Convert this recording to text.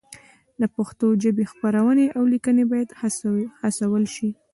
د پښتو ژبې خپرونې او لیکنې باید هڅول شي.